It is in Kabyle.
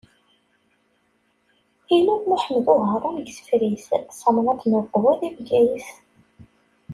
Ilul Muḥemmed Uharun deg Tefrit, tamnaḍt n Uqbu di Bgayet.